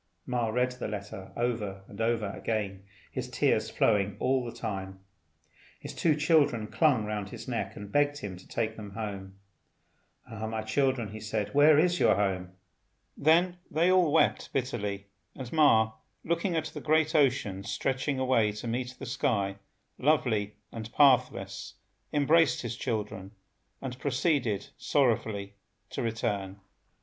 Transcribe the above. Ma read the letter over and over again, his tears flowing all the time. His two children clung round his neck, and begged him to take them home. "Ah, my children," said he, "where is your home?" Then they all wept bitterly, and Ma, looking at the great ocean stretching away to meet the sky, lovely and pathless, embraced his children, and proceeded sorrowfully to return.